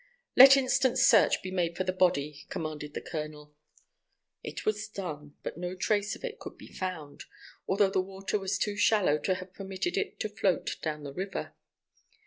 "Let instant search be made for the body," commanded the colonel. It was done, but no trace of it could be found, although the water was too shallow to have permitted it to float down the river.